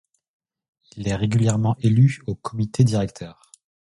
Il est régulièrement élu au comité directeur.